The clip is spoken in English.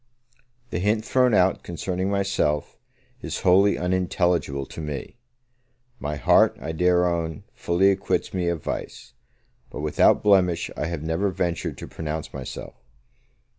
The hint thrown out concerning myself is wholly unintelligible to me: my heart, I dare own, fully acquits me of vice; but without blemish, I have never ventured to pronounce myself.